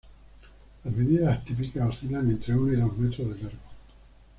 Las medidas típicas oscilan entre uno y dos metros de largo.